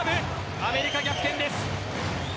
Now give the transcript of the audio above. アメリカ逆転です。